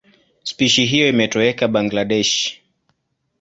Spishi hiyo imetoweka Bangladesh.